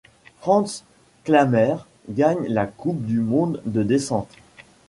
Franz Klammer gagne la coupe du monde de descente.